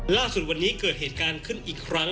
ล่าสุดวันนี้เกิดเหตุการณ์ขึ้นอีกครั้ง